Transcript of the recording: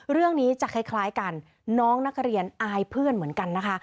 เรื่องนี้จะคล้ายกันน้องนักเรียนอายเพื่อนเหมือนกันนะคะ